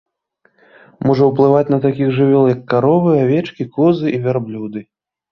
Можа ўплываць на такіх жывёл як каровы, авечкі, козы і вярблюды.